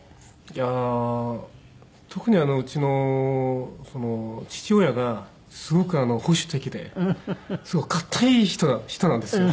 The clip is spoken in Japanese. いやあ特にうちの父親がすごく保守的ですごく堅い人なんですよ。